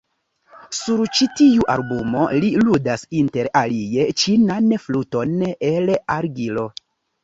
Sur ĉi tiu albumo li ludas inter alie ĉinan fluton el argilo.